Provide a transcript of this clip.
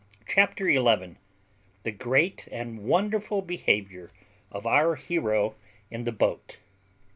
CHAPTER ELEVEN THE GREAT AND WONDERFUL BEHAVIOUR OF OUR HERO IN THE BOAT.